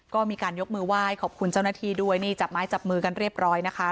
ก็มีการยกมือไหว้ขอบคุณเจ้าหน้าที่ด้วยนี่จับไม้จับมือกันเรียบร้อยนะคะ